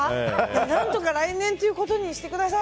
何とか来年ということにしてください。